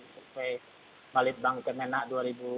survei balikbang kemenang